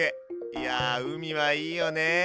いや海はいいよね。